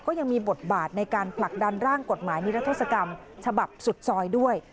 ก็ยังมีบทบาทในการผลักดันร่างกฎหมายนิรัทธศกรรมฉบับสุดซอยด้วย